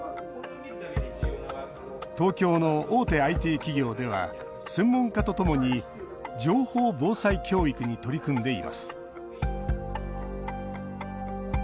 東京の大手ＩＴ企業では専門家とともに情報防災教育に取り組んでいます。